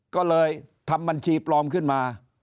ก็เลยทำบัญชีปลอมขึ้นมา